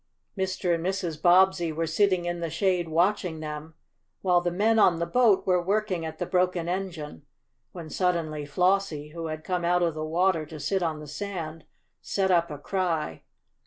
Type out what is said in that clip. Mr. and Mrs. Bobbsey were sitting in the shade watching them, while the men on the boat were working at the broken engine, when suddenly Flossie, who had come out of the water to sit on the sand, set up a cry.